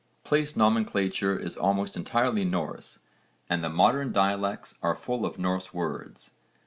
Place nomenclature is almost entirely Norse and the modern dialects are full of Norse words.